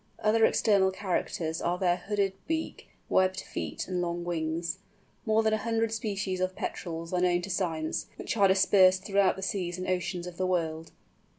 Other external characters are their hooked beak, webbed feet, and long wings. More than a hundred species of Petrels are known to science, which are dispersed throughout the seas and oceans of the world.